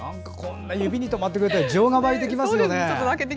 指にとまってくれたら情が湧いてきますよね。